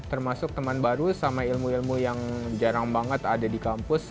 termasuk teman baru sama ilmu ilmu yang jarang banget ada di kampus